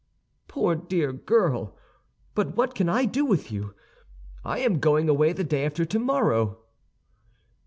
"Poor dear girl! But what can I do with you? I am going away the day after tomorrow."